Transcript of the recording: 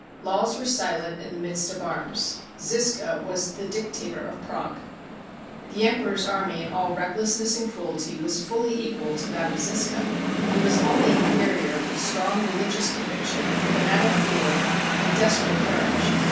Laws were silent in the midst of arms. Zisca was the dictator of Prague. The Emperor's army in all recklessness and cruelty was fully equal to that of Zisca. It was only inferior in strong religious conviction, fanatic feeling, and desper ate courage.